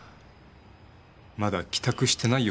まだ帰宅してないようですね。